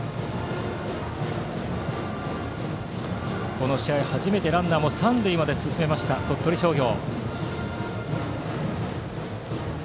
この試合初めてランナーも三塁まで進めました、鳥取商業。